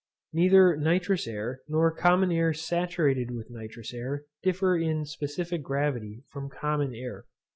Neither nitrous air, nor common air saturated with nitrous air, differ in specific gravity from common air.